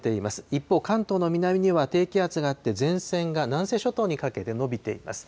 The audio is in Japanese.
一方、関東の南には低気圧があって、前線が南西諸島にかけて延びています。